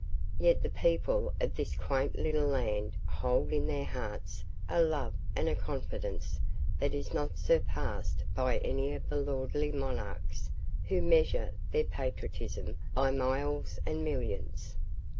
Yet the people of this quaint little land hold in their hearts a love and a confidence that is not surpassed by any of the lordly monarchs who measure their patriotism by miles and millions.